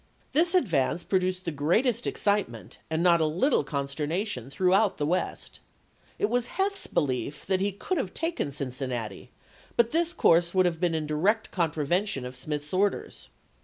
This advance produced the greatest excitement and not a little consteruation throughout the West. It was Heth's belief that he could have taken Cincinnati, but this course would have been in direct contravention of Smith's orders.